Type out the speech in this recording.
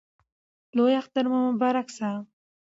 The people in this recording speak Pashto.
لوی اختر مو مبارک سه!